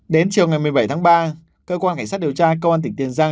đến chiều ngày một mươi bảy tháng ba cơ quan cảnh sát điều tra công an tỉnh tiền giang